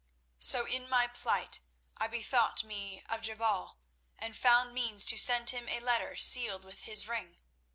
"So in my plight I bethought me of Jebal, and found means to send him a letter sealed with his ring.